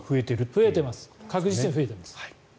確実に増えています。